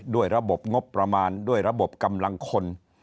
ด้วยระบบงบประมาณด้วยระบบกำลังคน